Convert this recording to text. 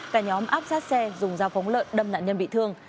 cả nhóm áp sát xe dùng dao phóng lợn đâm nạn nhân bị thương